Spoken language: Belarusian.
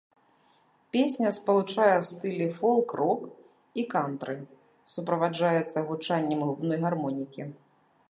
Песня спалучае стылі фолк-рок і кантры, суправаджаецца гучаннем губной гармонікі.